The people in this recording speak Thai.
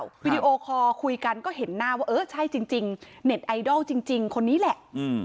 วิดีโอคอลคุยกันก็เห็นหน้าว่าเออใช่จริงเน็ตไอดอลจริงคนนี้แหละ